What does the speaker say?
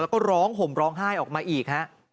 แล้วก็ร้องห่มร้องไห้ออกมาอีกฮะ